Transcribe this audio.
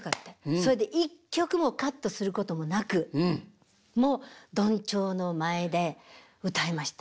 それで一曲もカットすることもなくもうどんちょうの前で歌いました。